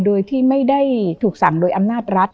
โดยที่ไม่ได้ถูกสั่งโดยอำนาจรัฐ